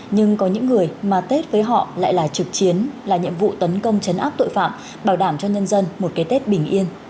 nhưng có những người mà tết với họ lại là trực chiến là nhiệm vụ tấn công chấn áp tội phạm bảo đảm cho nhân dân một cái tết bình yên